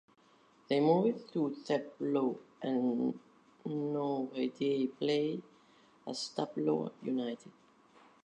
They moved to Taplow and nowadays play as Taplow United.